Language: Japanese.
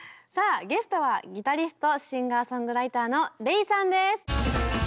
さあゲストはギタリスト・シンガーソングライターのＲｅｉさんです。